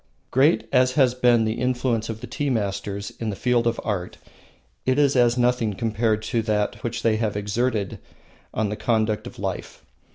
Great as has been the influence of the tea masters in the field of art, it is as nothing compared to that which they have exerted on the conduct of life.